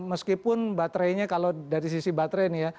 meskipun baterainya kalau dari sisi baterai nih ya